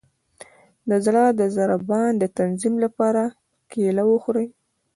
د زړه د ضربان د تنظیم لپاره کیله وخورئ